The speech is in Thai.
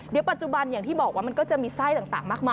เดี๋ยวปัจจุบันอย่างที่บอกว่ามันก็จะมีไส้ต่างมากมาย